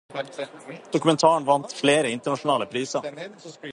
Dokumentaren vant flere internasjonale priser.